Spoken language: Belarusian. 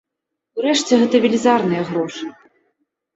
Урэшце, гэта велізарныя грошы.